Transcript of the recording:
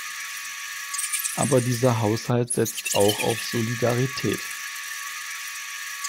Aber dieser Haushalt setzt auch auf Solidarität.